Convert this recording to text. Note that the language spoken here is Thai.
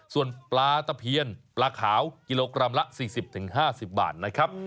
ส่วนปลาตะเพียนปลาขาวกิโลกรัมละ๔๐๕๐บาทนะครับ